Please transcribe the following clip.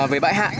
với bãi hạ